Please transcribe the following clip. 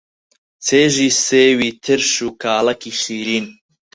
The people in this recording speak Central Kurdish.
چێژی سێوی ترش و کاڵەکی شیرین